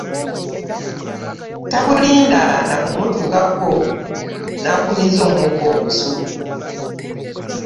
Takulinda na kumutuukako n'akumiza omukka omusu